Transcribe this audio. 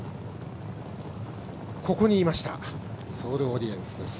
ここにいましたソールオリエンスです。